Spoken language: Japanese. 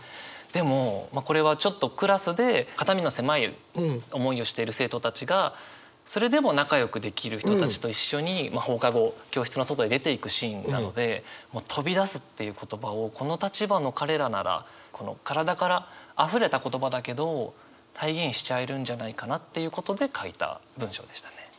でもこれはちょっとクラスで肩身の狭い思いをしている生徒たちがそれでも仲良くできる人たちと一緒に放課後教室の外に出ていくシーンなので「飛び出す」っていう言葉をこの立場の彼らならこの体からあふれた言葉だけど体現しちゃえるんじゃないかなっていうことで書いた文章でしたね。